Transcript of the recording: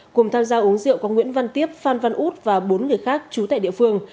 cùng tham gia uống rượu có nguyễn văn tiếp phan văn út và bốn người khác trú tại địa phương